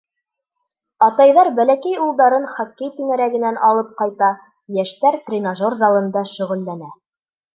Атайҙар бәләкәй улдарын хоккей түңәрәгенән алып ҡайта, йәштәр тренажер залында шөғөлләнә.